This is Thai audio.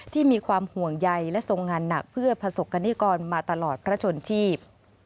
ที่มีความห่วงใยและทรงงานหนักเพื่อประสบกรณิกรมาตลอดพระชนชีพ